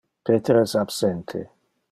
Peter es absente.